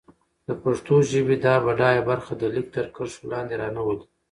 د پښتو ژبې دا بډايه برخه د ليک تر کرښو لاندې را نه ولي.